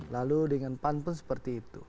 lalu dengan pan pun seperti itu